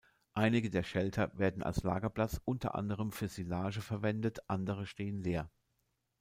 Einige der Shelter werden als Lagerplatz, unter anderem für Silage verwendet, andere stehen leer.